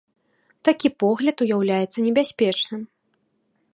Такі погляд уяўляецца небяспечным.